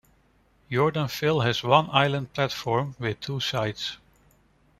Jordanville has one island platform with two sides.